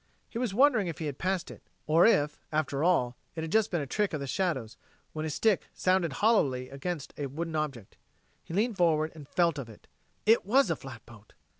He was wondering if he had passed it, or if, after all, it had just been a trick of the shadows, when his stick sounded hollowly against a wooden object. He leaned forward and felt of it. It was a flatboat!